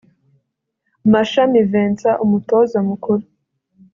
Mashami Vincent (Umutoza mukuru)